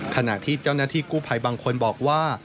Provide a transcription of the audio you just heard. ขณะที่เจ้าหน้าที่กู้ภัยบางคนบอกว่า